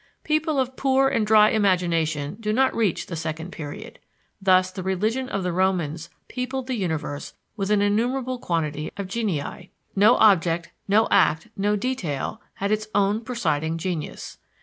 People of poor and dry imagination do not reach the second period. Thus, the religion of the Romans peopled the universe with an innumerable quantity of genii. No object, no act, no detail, but had its own presiding genius.